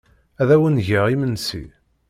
Ad awen-d-geɣ imensi.